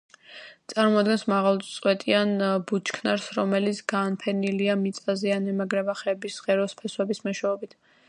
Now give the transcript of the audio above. წარმოადგენს მაღალ წვეტიან ბუჩქნარს, რომელიც განფენილია მიწაზე ან ემაგრება ხეების ღეროს ფესვების მეშვეობით.